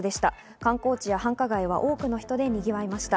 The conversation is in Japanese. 観光地や繁華街は多くの人でにぎわいました。